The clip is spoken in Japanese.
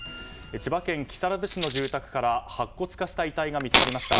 千葉県木更津市の住宅から白骨化した遺体が見つかりました。